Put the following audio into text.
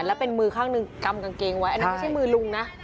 แล้วเป็นมือข้างหนึ่งกำกางเกงไว้อันนั้นไม่ใช่มือลุงนะ